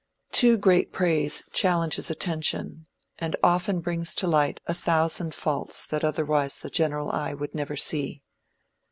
Too great praise challenges attention, and often brings to light a thousand faults that otherwise the general eye would never see.